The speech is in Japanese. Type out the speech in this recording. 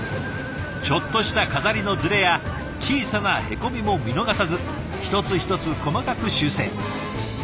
ちょっとした飾りのずれや小さなへこみも見逃さず一つ一つ細かく修正。